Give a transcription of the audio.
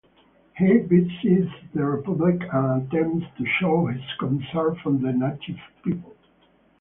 He visits the republic and attempts to show his concern for the native people.